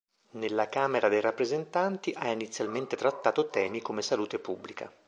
Nella Camera dei rappresentanti ha inizialmente trattato temi come salute pubblica.